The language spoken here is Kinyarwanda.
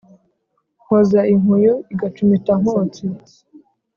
Nkoza inkuyu igacumita Nkotsi,